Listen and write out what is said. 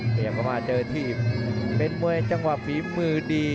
พยายามก็มาเจอที่เบนเมื่อยจังหวังฝีมือดี